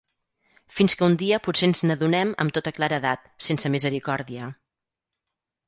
Fins que un dia potser ens n’adonem amb tota claredat, sense misericòrdia.